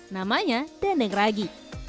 namanya dendeng ragi